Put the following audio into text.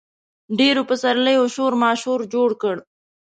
ډېرو سپرلیو شورماشور جوړ کړ.